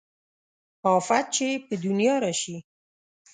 افت چې په دنيا راشي